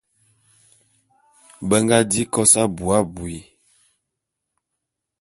Be nga di kos abui abui.